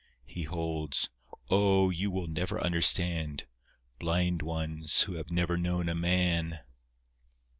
He holds— Oh, you will never understand! Blind ones who have never known a man."